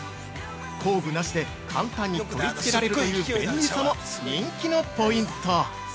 工具なしで簡単に取り付けられるという便利さも人気のポイント！